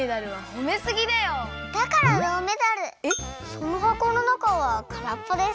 そのはこのなかはからっぽです。